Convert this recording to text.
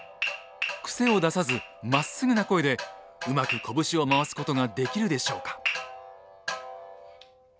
クセを出さずまっすぐな声でうまくこぶしを回すことができるでしょうか。